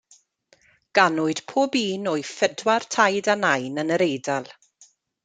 Ganwyd pob un o'i phedwar taid a nain yn yr Eidal.